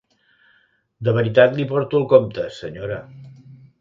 De veritat li porto el compte, senyora.